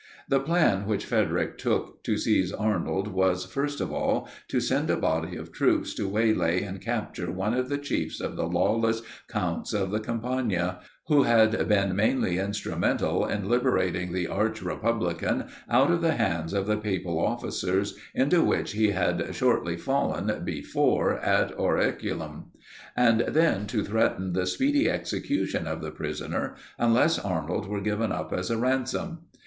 The plan which Frederic took to seize Arnold, was, first of all, to send a body of troops to waylay and capture one of the chiefs of the lawless counts of the Campagna, who had been mainly instrumental in liberating the arch republican out of the hands of the papal officers, into which he had shortly fallen before at Oriculum; and then to threaten the speedy execution of the prisoner, unless Arnold were given up as a ransom.